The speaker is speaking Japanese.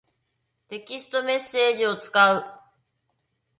テキストメッセージを使う。